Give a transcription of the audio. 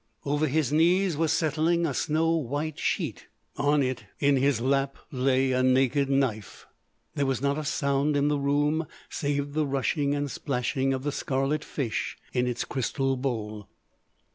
Over his knees was settling a snow white sheet; on it, in his lap, lay a naked knife. There was not a sound in the room save the rushing and splashing of the scarlet fish in its crystal bowl.